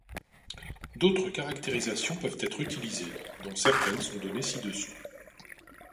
D'autres caractérisations peuvent être utilisées, dont certaines sont données ci-dessous.